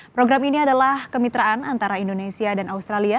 program ini adalah kemitraan antara indonesia dan australia